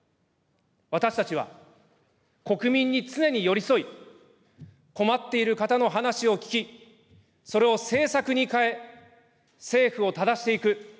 私たちは国民に常に寄り添い、困っている方の話を聞き、それを政策に変え、政府をただしていく。